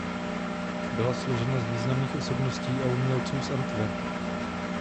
Byla složena z významných osobností a umělců z Antverp.